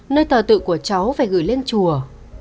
nơi tờ tự của cháu phải gửi lên chùa